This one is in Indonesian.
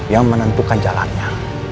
yang menentukan jalannya